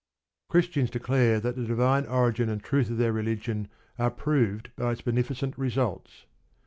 Christians declare that the divine origin and truth of their religion are proved by its beneficent results.